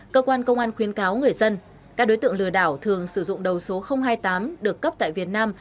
cơ quan công an khuyến cáo người dân các đối tượng lừa đảo thường sử dụng đầu số hai mươi tám được cấp tại việt nam